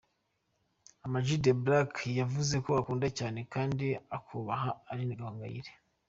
Amag The Black, yavuze ko akunda cyane kandi akubaha Aline Gahongayire.